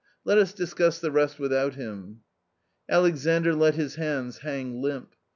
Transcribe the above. Let us discuss the rest without him." Alexandr let his hands hang limp.